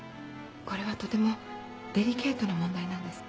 これはとてもデリケートな問題なんです。